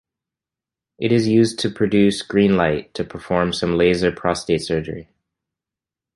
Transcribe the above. It is used to produce "greenlight" to perform some laser prostate surgery.